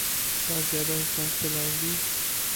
کا زیادہ احساس دلائیں گی۔